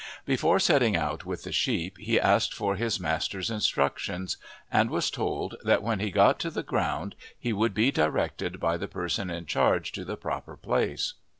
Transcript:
Before setting out with the sheep he asked for his master's instructions, and was told that when he got to the ground he would be directed by the persons in charge to the proper place.